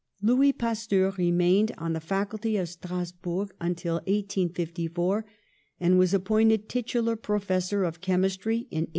Louis Pasteur remained on the Faculty of Strasburg until 1854, and was appointed titular professor of chemistry in 1852.